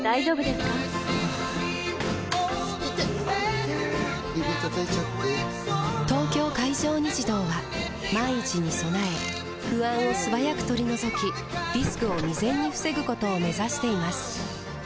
指たたいちゃって・・・「東京海上日動」は万一に備え不安を素早く取り除きリスクを未然に防ぐことを目指しています